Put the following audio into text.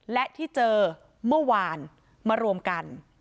และที่เจอเมื่อวานมารวมกัน